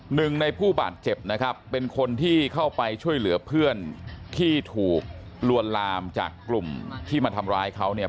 หนึ่งในผู้บาดเจ็บนะครับเป็นคนที่เข้าไปช่วยเหลือเพื่อนที่ถูกลวนลามจากกลุ่มที่มาทำร้ายเขาเนี่ย